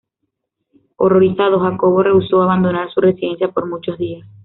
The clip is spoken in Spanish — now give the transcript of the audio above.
Horrorizado, Jacobo rehusó abandonar su residencia por muchos días.